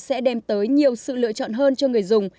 sẽ đem tới nhiều sự lựa chọn hơn cho người dùng